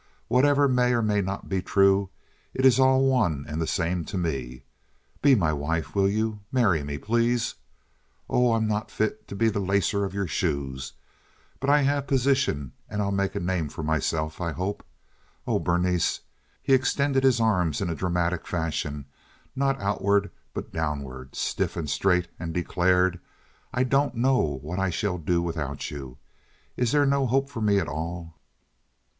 Whatever may or may not be true, it is all one and the same to me. Be my wife, will you? Marry me, please! Oh, I'm not fit to be the lacer of your shoes, but I have position and I'll make a name for myself, I hope. Oh, Berenice!" He extended his arms in a dramatic fashion, not outward, but downward, stiff and straight, and declared: "I don't know what I shall do without you. Is there no hope for me at all?"